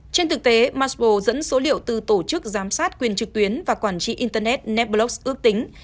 trên thực tế masbo dẫn số liệu từ tổ chức giám sát quyền trực tuyến và quản trị internet netblos ước tính